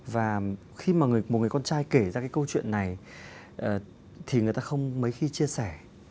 và khi mà một người con trai kể ra cái câu chuyện này thì người ta không mấy khi chia sẻ